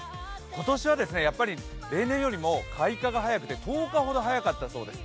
今年は例年よりも開花が早くて１０日ほど早かったそうです。